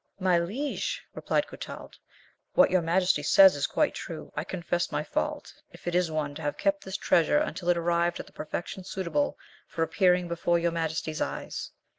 "My liege," replied Clotald, "what your majesty says is quite true; I confess my fault, if it is one, to have kept this treasure until it arrived at the perfection suitable for appearing before your majesty's eyes.